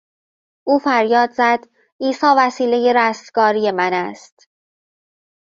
او فریاد زد، "عیسی وسیلهی رستگاری من است!"